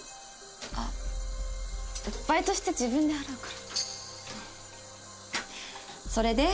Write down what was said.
あっバイトして自分で払うからそれで？